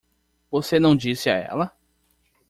Você não disse a ela?